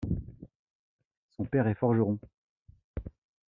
Son père est forgeron.